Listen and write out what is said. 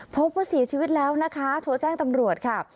พบว่าเสียชีวิตแล้วนะคะโทรแจ้งตำรวจค่ะ